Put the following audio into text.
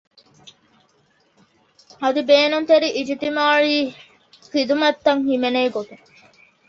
އަދި ބޭނުންތެރި އިޖްތިމާޢީ ޚިދުމަތްތައް ހިމެނޭ ގޮތުން